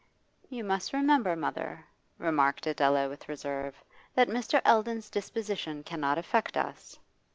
'You must remember, mother,' remarked Adela with reserve, 'that Mr. Eldon's disposition cannot affect us.